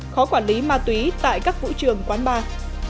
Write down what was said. khó quản lý ma túy tại các vũ trường quán bar